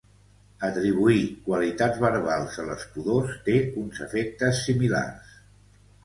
Atribuir qualitats verbals a les pudors té uns efectes similars.